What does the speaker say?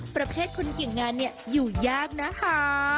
ประเภทคนเจียงงานอยู่ยากนะคะ